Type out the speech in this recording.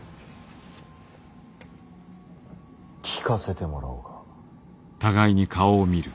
聞かせてもらおうか。